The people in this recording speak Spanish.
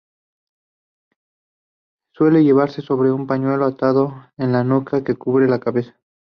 Suele llevarse sobre un pañuelo atado en la nuca que cubre la cabeza.